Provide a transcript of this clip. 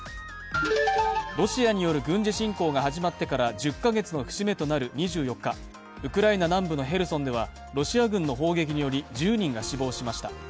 ロシアによる軍事侵攻が始まってから１０か月の節目となる２４日、ウクライナ南部のヘルソンではロシア軍の砲撃により１０人が死亡しました。